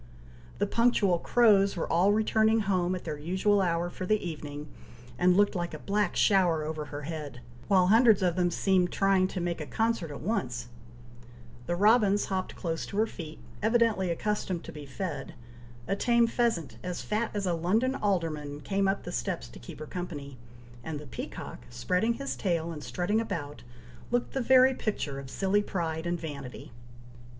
The punctual crows were all returning home at their usual hour for the evening, and looked like a black shower over her head, while hundreds of them seemed trying to make a concert at once; the robins hopped close to her feet, evidently accustomed to be fed; a tame pheasant, as fat as a London alderman, came up the steps to keep her company; and the peacock, spreading his tail, and strutting about, looked the very picture of silly pride and vanity.